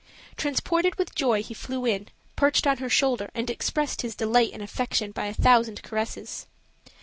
Transported with joy, he flew in, perched on her shoulder, and expressed his delight and affection by a thousand caresses.